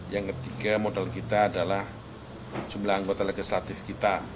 yang ketiga modal kita adalah jumlah anggota legislatif kita